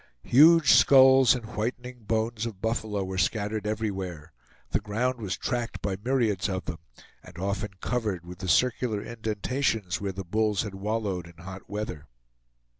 Huge skulls and whitening bones of buffalo were scattered everywhere; the ground was tracked by myriads of them, and often covered with the circular indentations where the bulls had wallowed in the hot weather.